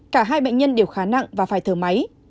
cả hai bệnh nhân đều khá nặng và phải thở máy